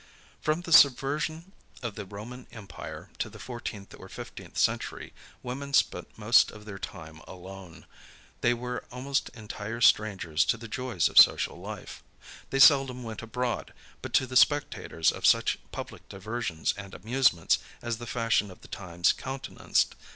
From the subversion of the Roman empire, to the fourteenth or fifteenth century, women spent most of their time alone. They were almost entire strangers to the joys of social life. They seldom went abroad, but to be spectators of such public diversions and amusements as the fashion of the times countenanced.